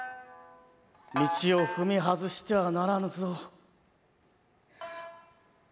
道を踏み外してはならぬぞ。